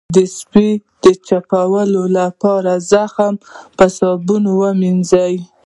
د سپي د چیچلو لپاره زخم په صابون ووینځئ